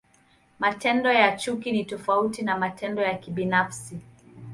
Matendo ya chuki ni tofauti na matendo ya kibinafsi.